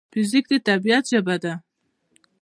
فزیک د طبیعت ژبه ده.